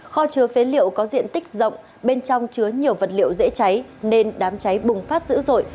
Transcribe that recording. kho chứa phế liệu có diện tích rộng bên trong chứa nhiều vật liệu dễ cháy nên đám cháy bùng phát dữ dội